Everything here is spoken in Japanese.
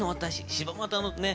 柴又のね